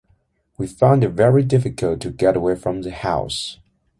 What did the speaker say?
We found it very difficult to get away from the house.